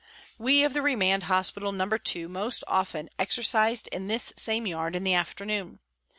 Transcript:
We of the remand hospital No. 2 most often exercised in this same yard in the afternoon.